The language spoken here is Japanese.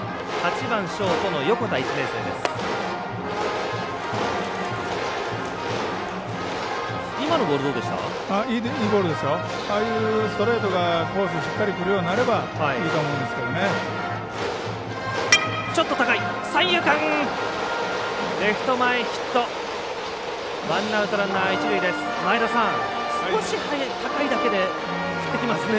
ああいうストレートがコースにしっかりくるようになればいいと思うんですけどね。